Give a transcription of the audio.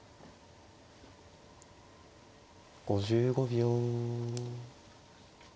５５秒。